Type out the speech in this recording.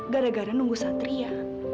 gara gara nunggu satria